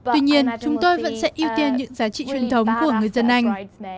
tuy nhiên chúng tôi vẫn sẽ ưu tiên những giá trị truyền thống của người dân anh